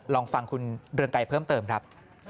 ลองฟังคุณเรืองไกรเพิ่มเติมครับ